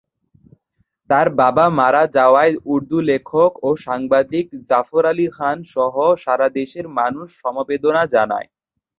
তাঁর বাবা মারা যাওয়ায় উর্দু লেখক ও সাংবাদিক জাফর আলী খান সহ সারাদেশের মানুষ সমবেদনা জানায়।